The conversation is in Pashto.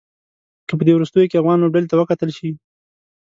که په دې وروستيو کې افغان لوبډلې ته وکتل شي.